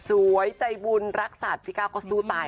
ใจบุญรักสัตว์พี่ก้าวก็สู้ตาย